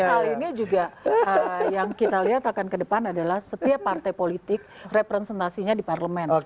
hal ini juga yang kita lihat akan ke depan adalah setiap partai politik representasinya di parlemen